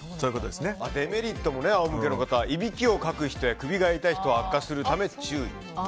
デメリットもあお向けの方、いびきをかく人や首が痛い人は悪化するため注意。